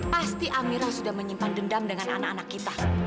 pasti amirah sudah menyimpan dendam dengan anak anak kita